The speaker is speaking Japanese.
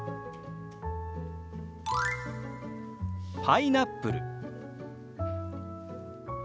「パイナップル」。